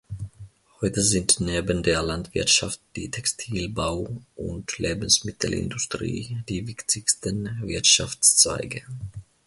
Heute sind neben der Landwirtschaft die Textil-, Bau- und Lebensmittelindustrie die wichtigsten Wirtschaftszweige.